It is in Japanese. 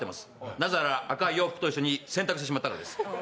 なぜなら赤い洋服と一緒に洗濯してしまったのです。